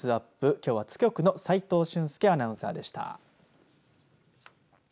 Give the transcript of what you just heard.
きょうは津局の齋藤舜介アナウンサーでした。